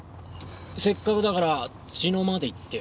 せっかくだから茅野まで行ってよ。